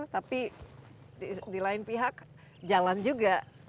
tapi di lain pihak jalan juga